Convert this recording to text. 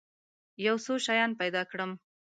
یو څو شیان پیدا کړم.